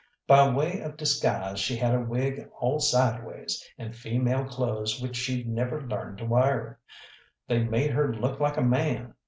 By way of disguise she had a wig all sideways, and female clothes which she'd never learned to wear. They made her look like a man.